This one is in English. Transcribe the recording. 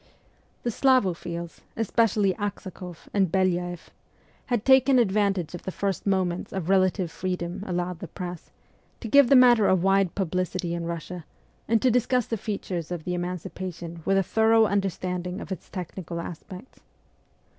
The Slavophiles, especially Aksakoff and Belyaeff, had taken advantage of the first moments of relative freedom allowed the press, to give the matter a wide publicity in Eussia, and to discuss the features of the emancipation with a thorough understanding of its technical aspects.